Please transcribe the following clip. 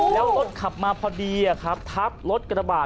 แล้วรถขับมาเผอดียะครับรถกระบาดจำ